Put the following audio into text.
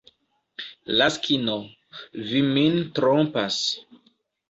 Laskino, vi min trompas.